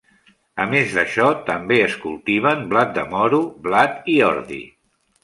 A més d'això, també es cultiven blat de moro, blat i ordi.